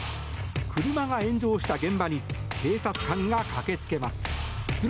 車が炎上した現場に警察官が駆け付けます。